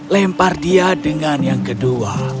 lempar dia dengan yang kedua